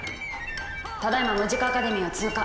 ただいまムジカ・アカデミーを通過。